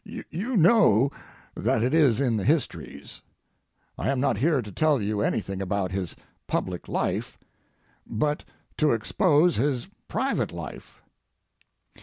You know that it is in the histories. I am not here to tell you anything about his public life, but to expose his private life.